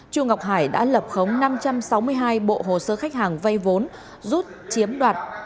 chu ngọc hải đã lập khống năm trăm sáu mươi hai bộ hồ sơ khách hàng vay vốn rút chiếm đoạt